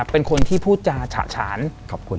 เป็นคนที่พูดจาฉะฉาน